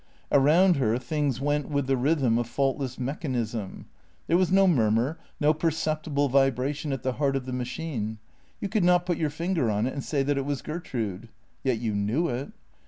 Around her things went with the rhythm of faultless mechan ism. There was no murmur, no perceptible vibration at the heart of the machine. You could not put your finger on it and say that it was Gertrude. Yet you knew it.